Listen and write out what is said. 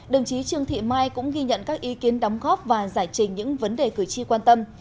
đồng chí trương thị mai cũng ghi nhận các ý kiến đóng góp và giải trình những vấn đề cử tri quan tâm